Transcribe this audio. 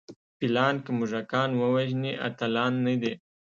فیلان که موږکان ووژني اتلان نه دي.